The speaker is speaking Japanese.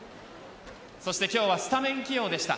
今日はスタメン起用でした。